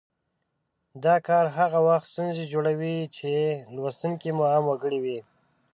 دا کار هغه وخت ستونزه جوړوي چې لوستونکي مو عام وګړي وي